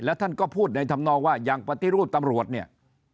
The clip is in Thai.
ท่านก็พูดในธรรมนองว่าอย่างปฏิรูปตำรวจเนี่ย